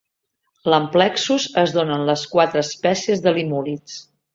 L'amplexus es dóna en les quatre espècies de limúlids.